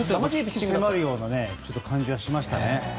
鬼気迫るような感じがしましたね。